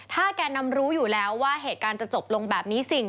ถ้าแกนนำรู้อยู่แล้วว่าเหตุการณ์จะจบลงแบบนี้สิ่ง